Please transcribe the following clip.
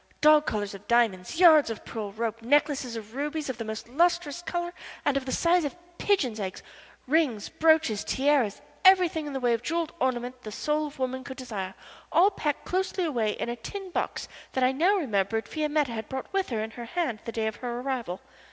Dog collars of diamonds, yards of pearl rope, necklaces of rubies of the most lustrous color and of the size of pigeons' eggs, rings, brooches, tiaras everything in the way of jewelled ornament the soul of woman could desire all packed closely away in a tin box that I now remembered Fiametta had brought with her in her hand the day of her arrival.